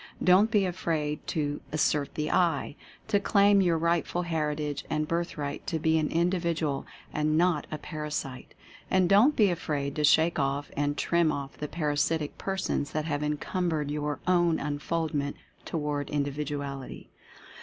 Don't be afraid to "assert the I" — to claim your rightful heritage and birthright to be an Indi vidual, and not a Parasite. And don't be afraid to shake off and trim off the parasitic persons that have encumbered your own unfoldment toward Individ uality.